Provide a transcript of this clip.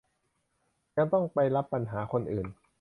ยังต้องไปรับปัญหาคนอื่น